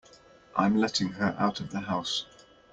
I'm letting her out of the house.